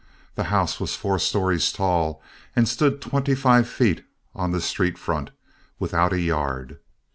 The house was four stories tall and stood twenty five feet on the street front, without a yard.